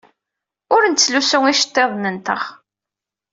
Ur nettlusu iceḍḍiḍen-nteɣ.